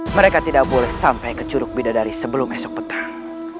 mereka tidak boleh sampai ke curug bidadari sebelum esok petang